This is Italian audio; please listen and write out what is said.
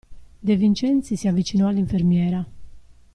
De Vincenzi si avvicinò all'infermiera.